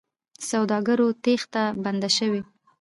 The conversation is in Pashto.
د سوداګرو تېښته بنده شوې؟